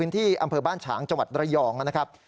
ที่อำเภอบ้านฉางจังหวัดระยองนะครับ